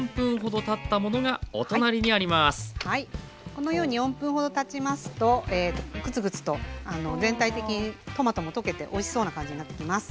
このように４分ほどたちますとクツクツと全体的にトマトも溶けておいしそうな感じになってきます。